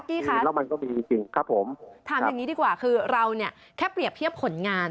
พี่จักกี้คะถามอย่างนี้ดีกว่าคือเราเนี่ยแค่เปรียบเทียบผลงาน